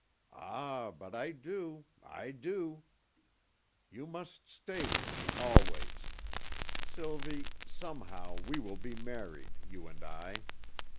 "Ah, but I do I do! You must stay with me always. Sylvie, somehow we will be married you and I!"